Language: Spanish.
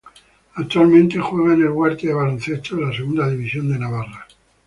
Actualmente juega en el Huarte de baloncesto de la segunda división de Navarra.